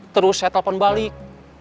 terus saya telepon balik